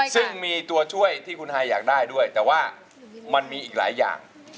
ซึ่งมีตัวช่วยที่คุณฮายอยากได้ด้วยแต่ว่ามันมีอีกหลายอย่าง